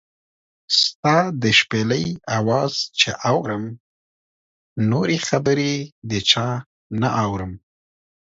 ستا د شپېلۍ اواز چې اورم، نورې خبرې د چا نۀ اورم